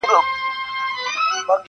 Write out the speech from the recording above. • احتیاط ښه دی په حساب د هوښیارانو -